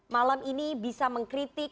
malam ini bisa mengkritik